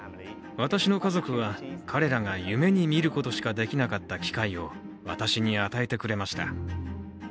私の家族は彼らが夢に見ることしかできなかった機会を私に与えてくれました。